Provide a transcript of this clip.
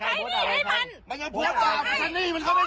พี่ไปใช้ภาพด้ายทำไมเปียกฝ่าเป็นใคร